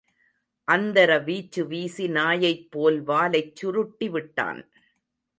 அந்தர வீச்சு வீசி நாயைப் போல் வாலைச் சுருட்டி விட்டான்.